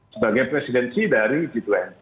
sebagai presidensi dari g dua puluh